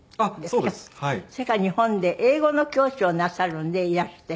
それから日本で英語の教師をなさるんでいらして。